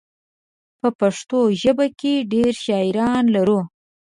په پښتو ژبه کې ډېر شاعران لرو.